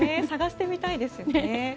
探してみたいですね。